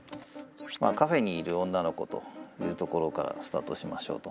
カフェにいる女の子というところからスタートしましょうと。